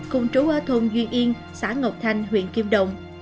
cùng trú ở thôn duy yên xã ngọc thanh huyện kim đồng